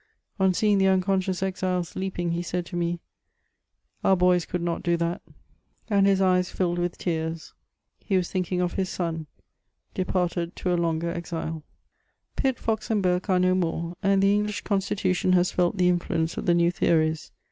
On seeing the unconacioas eiiles leaping, he said to me :^ Our boys could not do that;'' and his eyes filled with tears; he was thinking of his aon, departed to a loi^r eadle. Pitt, Fox, and Burke are no morey and the "RnglMK Consti tution has felt the influence of the new theories.